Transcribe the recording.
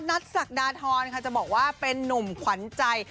ศักดาทรค่ะจะบอกว่าเป็นนุ่มขวัญใจ